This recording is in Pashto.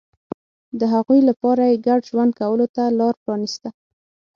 د هغوی لپاره یې ګډ ژوند کولو ته لار پرانېسته.